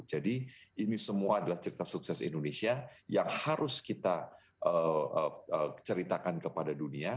jadi ini semua adalah cerita sukses indonesia yang harus kita ceritakan kepada dunia